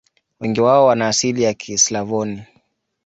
Wengi wao wana asili ya Kislavoni.